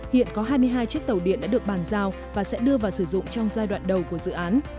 hiện có hai mươi hai chiếc tàu điện đã được bàn giao và sẽ đưa vào sử dụng trong giai đoạn đầu của dự án